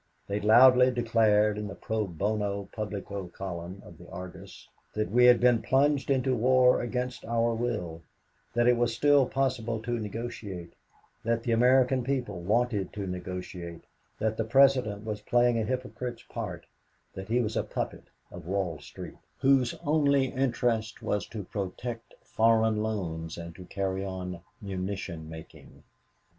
They loudly declared in the Pro Bono Publico column of the Argus that we had been plunged into war against our will, that it was still possible to negotiate, that the American people wanted to negotiate, that the President was playing a hypocrite's part, that he was a puppet of Wall Street, whose only interest was to protect foreign loans and to carry on munition making.